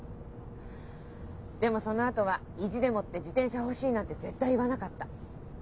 でもそのあとは意地でもって「自転車欲しい」なんて絶対言わなかった。